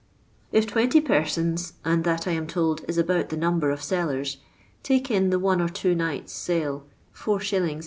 If 20 persons, and that I am told is about the number of sellers, take in tlie one or two nights' sale is.